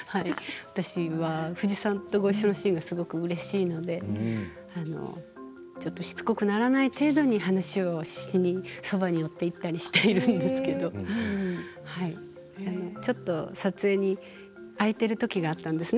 私は藤さんとごいっしょのシーンがすごくうれしいのでしつこくならない程度に話をしにそばに寄っていったりしているんですけどちょっと撮影に空いているときがあったんですね。